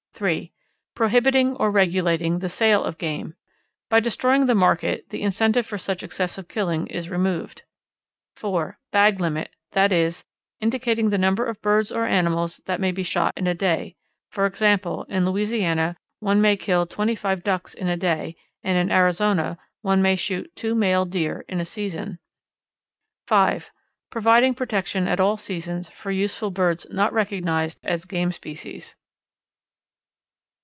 (3) Prohibiting or regulating the sale of game. By destroying the market the incentive for much excessive killing is removed. (4) Bag limit; that is, indicating the number of birds or animals that may be shot in a day; for example, in Louisiana one may kill twenty five Ducks in a day, and in Arizona one may shoot two male deer in a season. (5) Providing protection at all seasons for useful birds not recognized as game species.